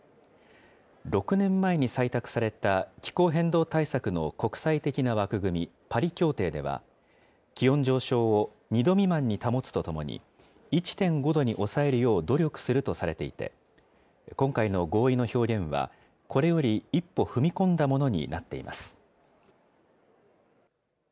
６年前に採択された気候変動対策の国際的な枠組み、パリ協定では、気温上昇を２度未満に保つとともに、１．５度に抑えるよう努力するとされていて、今回の合意の表現は、これより一歩踏み込んだものになっています。